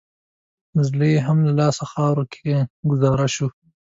زړه یې هم له لاسه خاورو کې ګوزار شو.